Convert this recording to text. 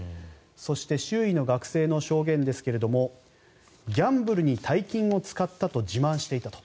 そして、周囲の学生の証言ですがギャンブルに大金を使ったと自慢していたと。